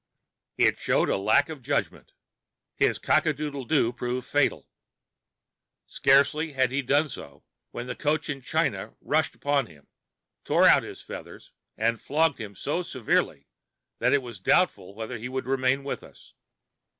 It showed a lack of judgment; his cock a doodle doo proved fatal. Scarcely had he done so, when Cochin China rushed upon him, tore out his feathers, and flogged him so severely that it was doubtful whether he would remain with us.